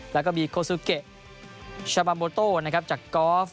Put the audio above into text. แล้วก็มีโคซุเกชาบัมโบโตจากกอล์ฟ